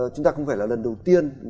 chúng ta không phải là lần đầu tiên